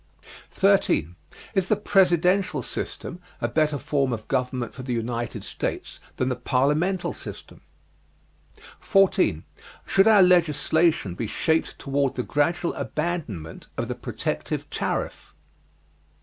13. Is the Presidential System a better form of government for the United States than the Parliamental System? 14. Should our legislation be shaped toward the gradual abandonment of the protective tariff?